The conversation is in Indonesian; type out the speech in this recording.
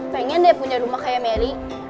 pengen deh punya rumah kayak mary